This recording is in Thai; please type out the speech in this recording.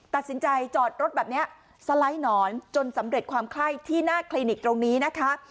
ตัดสินใจจอดรถแบบนี้สไลด์หนอนจนสำเร็จความไข้ที่หน้าคลินิกตรงนี้นะคะ